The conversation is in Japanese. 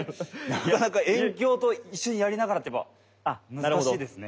なかなか猿叫と一緒にやりながらって難しいですね。